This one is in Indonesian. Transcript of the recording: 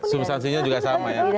substansinya juga sama ya